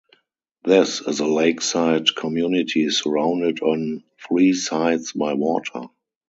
This is a lakeside community surrounded on three sides by water.